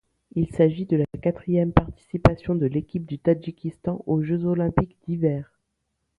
Il s'agit de la quatrième participation de l'équipe du Tadjikistan aux Jeux olympiques d'hiver.